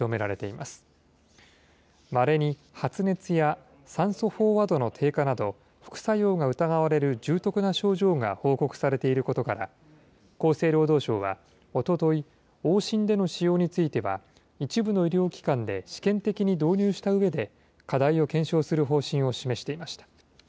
まれに発熱や酸素飽和度の低下など、副作用が疑われる重篤な症状が報告されていることから、厚生労働省はおととい、往診での使用については、一部の医療機関で試験的に導入したうえで課題を検証する方針を示していました。